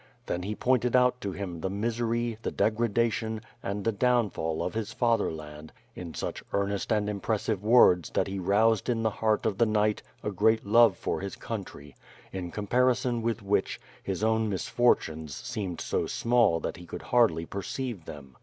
Then he pointed out to him the misery, the degrada tion, and the downfall of his fatherland in such earnest and impressive words that he roused in the heart of the knight a great love for his country, in comparison with which, his own misfortunes seemed so small that he could hardly per ceive them.